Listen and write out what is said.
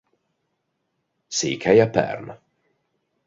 Székhelye Perm.